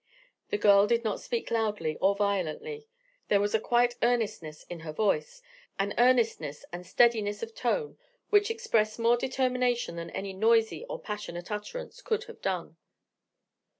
The girl did not speak loudly or violently. There was a quiet earnestness in her voice; an earnestness and steadiness of tone which expressed more determination than any noisy or passionate utterance could have done.